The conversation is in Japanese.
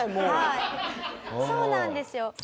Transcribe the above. はいそうなんですよ。